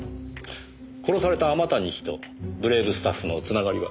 殺された天谷氏とブレイブスタッフのつながりは？